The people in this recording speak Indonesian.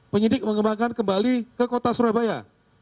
penyidik mengembangkan kembali ke kota surabaya